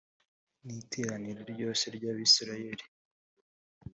ni iteraniro ryose ry’abisirayeli